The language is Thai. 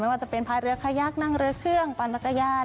ว่าจะเป็นพายเรือขยักนั่งเรือเครื่องปั่นจักรยาน